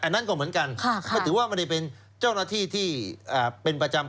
นั่นก็เหมือนกันก็ถือว่าไม่ได้เป็นเจ้าหน้าที่ที่เป็นประจำ